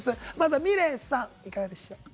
ｍｉｌｅｔさん、いかがでしょう。